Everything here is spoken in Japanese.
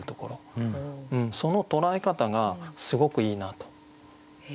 その捉え方がすごくいいなと。